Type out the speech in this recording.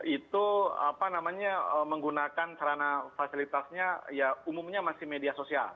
itu apa namanya menggunakan sarana fasilitasnya ya umumnya masih media sosial